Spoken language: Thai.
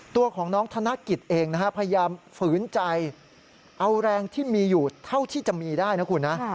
ตัวของน้องธนกิจเองนะฮะพยายามฝืนใจเอาแรงที่มีอยู่เท่าที่จะมีได้นะคุณนะ